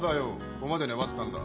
ここまで粘ったんだ。